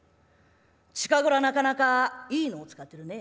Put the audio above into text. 近頃はなかなかいいのを使ってるね。